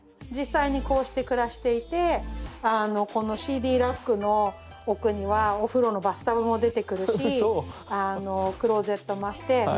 実際にこうして暮らしていてこのＣＤラックの奥にはお風呂のバスタブも出てくるしクローゼットもあって。